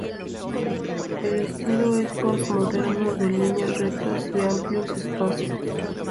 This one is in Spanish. El estilo es post-moderno, de líneas rectas y amplios espacios.